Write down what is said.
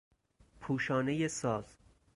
پوشانهی ساز